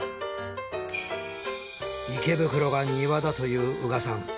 池袋が庭だと言う宇賀さん。